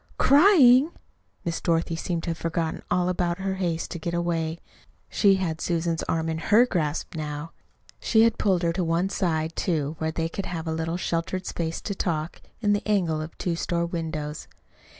"Crying!" Miss Dorothy seemed to have forgotten all about her haste to get away. She had Susan's arm in HER grasp now. She had pulled her to one side, too, where they could have a little sheltered place to talk, in the angle of two store windows.